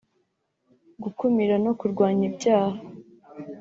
gukumira no kurwanya ibyaha